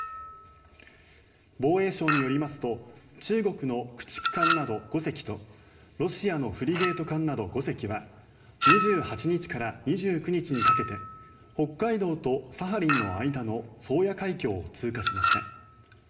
防衛省によりますと中国の駆逐艦など５隻とロシアのフリゲート艦など５隻は２８日から２９日にかけて北海道とサハリンの間の宗谷海峡を通過しました。